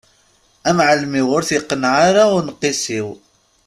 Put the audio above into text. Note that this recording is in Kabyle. Amεellem-iw ur t-iqenneε ara uneqqis-iw.